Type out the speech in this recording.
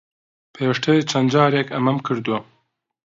پێشتر چەند جارێک ئەمەم کردووە.